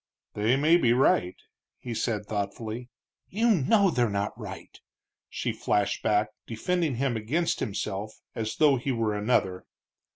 "They may be right," he said, thoughtfully. "You know they're not right!" she flashed back, defending him against himself as though he were another.